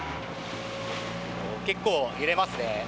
結構揺れますね。